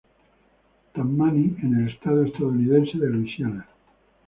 Tammany en el estado estadounidense de Luisiana.